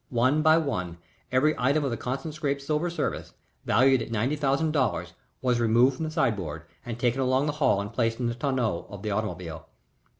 One by one every item of the Constant Scrappe's silver service, valued at ninety thousand dollars, was removed from the sideboard and taken along the hall and placed in the tonneau of the automobile.